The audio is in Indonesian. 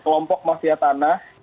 kelompok mafia tanah